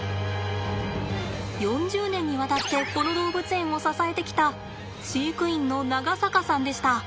４０年にわたってこの動物園を支えてきた飼育員の長坂さんでした。